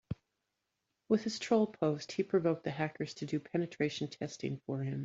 With his troll post he provoked the hackers to do penetration testing for him.